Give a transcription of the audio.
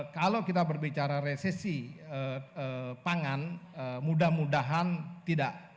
kalau kita berbicara resesi pangan mudah mudahan tidak